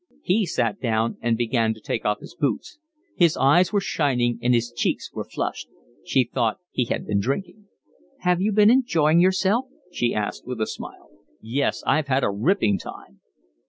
He sat down and began to take off his boots. His eyes were shining and his cheeks were flushed. She thought he had been drinking. "Have you been enjoying yourself?" she asked, with a smile. "Yes, I've had a ripping time."